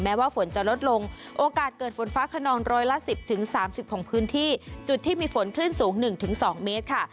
ว่าฝนจะลดลงโอกาสเกิดฝนฟ้าขนองร้อยละ๑๐๓๐ของพื้นที่จุดที่มีฝนคลื่นสูง๑๒เมตรค่ะ